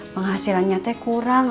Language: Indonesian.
penghasilan nyatanya kurang